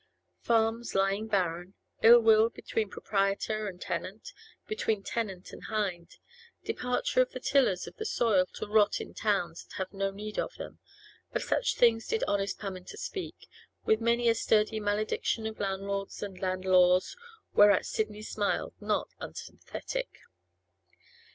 Farms lying barren, ill will between proprietor and tenant, between tenant and hind, departure of the tillers of the soil to rot in towns that have no need of them—of such things did honest Pammenter speak, with many a sturdy malediction of landlords and land laws, whereat Sidney smiled, not unsympathetic.